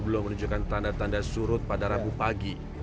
belum menunjukkan tanda tanda surut pada rabu pagi